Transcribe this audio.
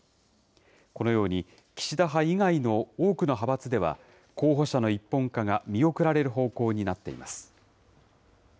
このように、岸田派以外の多くの派閥では、候補者の一本化が見送られる方向になっています。